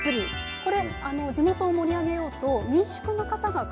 これ地元を盛り上げようとわやった！